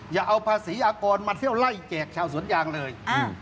อย่าเอาภาษีอากรมาเที่ยวไล่แจกชาวสวนยางเลย